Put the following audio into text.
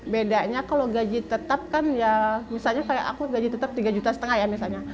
bedanya kalau gaji tetap kan ya misalnya kayak aku gaji tetap tiga juta setengah ya misalnya